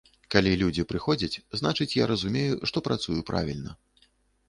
Калі людзі прыходзяць, значыць я разумею, што працую правільна.